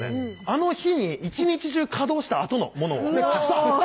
あの日に一日中稼働したあとのものを臭っ！